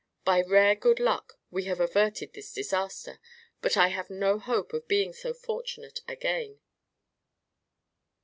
By rare good luck we have averted this disaster, but I have no hope of being so fortunate again."